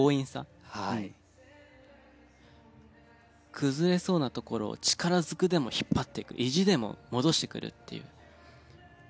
崩れそうなところを力ずくでも引っ張っていく意地でも戻してくるっていう。